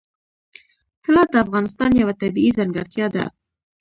طلا د افغانستان یوه طبیعي ځانګړتیا ده.